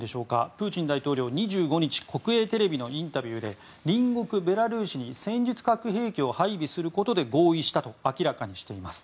プーチン大統領、２５日国営テレビのインタビューで隣国ベラルーシに戦術核兵器を配備することで合意したと明らかにしています。